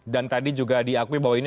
yang harus diusung